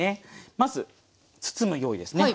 まず包む用意ですね。